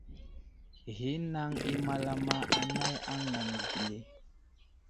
Ghinaŋ i malama anay aŋgam geli.